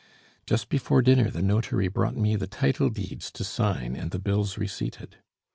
Just before dinner the notary brought me the title deeds to sign and the bills receipted!